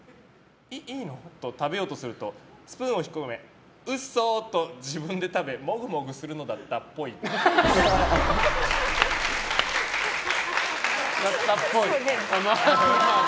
い、いいの？と食べようとするとスプーンを引っ込め嘘！と自分で食べモグモグするのだったっぽい。